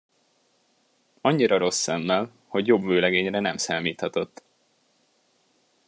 Annyira rossz szemmel, hogy jobb vőlegényre nem számíthatott.